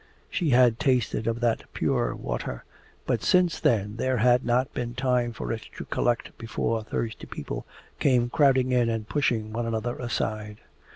She had tasted of that pure water, but since then there had not been time for it to collect before thirsty people came crowding in and pushing one another aside.